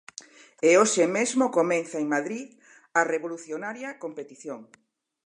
E hoxe mesmo comeza en Madrid a revolucionaria competición.